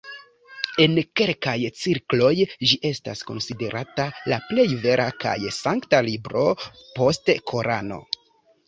En kelkaj cirkloj ĝi estas konsiderata la plej vera kaj sankta libro post Korano.